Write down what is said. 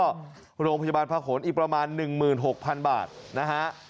ก็โรงพยาบาลพระขนอีกประมาณ๑๖๐๐๐บาทนะฮะ